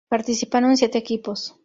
Participaron siete equipos.